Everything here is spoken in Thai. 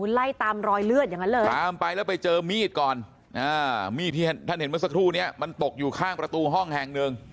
ไล่ตามรอยเลือดอย่างนั้นเลยตามไปแล้วไปเจอมีดก่อนมีดที่ท่านเห็นเมื่อสักครู่นี้มันตกอยู่ข้างประตูห้องแห่งหนึ่ง